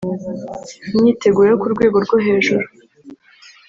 Imyiteguro yo ku rwego rwo hejuru